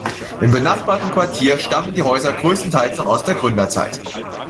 Im benachbarten Quartier stammen die Häuser größtenteils noch aus der Gründerzeit.